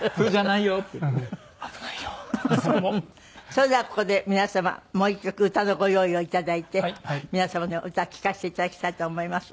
それではここで皆様もう一曲歌のご用意を頂いて皆様の歌聴かせて頂きたいと思います。